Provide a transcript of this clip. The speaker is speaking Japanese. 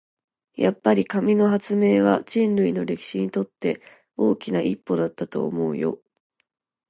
やっぱり、紙の発明は人類の歴史にとって大きな一歩だったと思うよ。